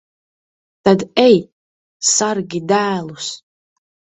Tad ej, sargi dēlus.